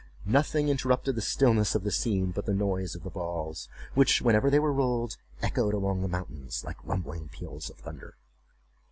Nothing interrupted the stillness of the scene but the noise of the balls, which, whenever they were rolled, echoed along the mountains like rumbling peals of thunder.